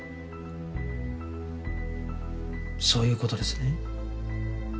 そういう事ですね？